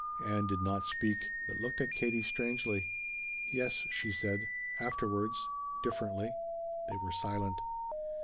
Ann did not speak, but looked at Katie strangely. "Yes," she said. "Afterwards. Differently." They were silent.